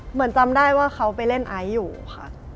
เหมือนจำได้ว่าเขาไปเล่นไอซ์อยู่ค่ะ